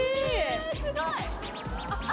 えすごい！